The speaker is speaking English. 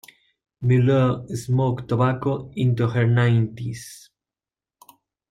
Meilleur smoked tobacco into her nineties.